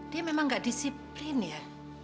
dia memang nggak disiplin ya